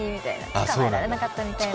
捕まえられなかったみたいな。